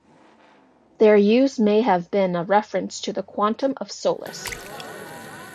Their use may have been a reference to "Quantum of Solace".